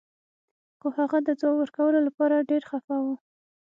خو هغه د ځواب ورکولو لپاره ډیر خفه و